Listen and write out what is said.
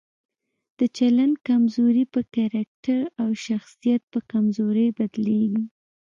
د چلند کمزوري په کرکټر او شخصیت په کمزورۍ بدليږي.